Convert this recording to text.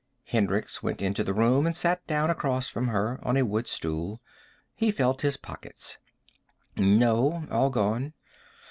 Hendricks went into the room and sat down across from her, on a wood stool. He felt in his pockets. "No. All gone."